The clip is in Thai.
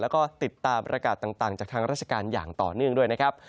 แล้วก็ติดตามประกาศต่างจากทางราชการอย่างต่อเนื่องด้วยนะครับ